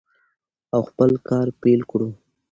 او خپل کار پیل کړو.